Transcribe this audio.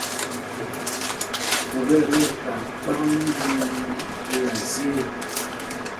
Pup ɛ tí ɛkat kpak mínjüiníní la zye ê.